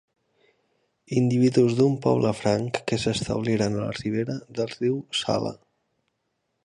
Individus d'un poble franc que s'establiren a la ribera del riu Sala.